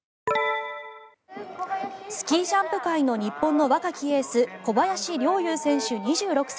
スキージャンプ界の日本の若きエース小林陵侑選手、２６歳。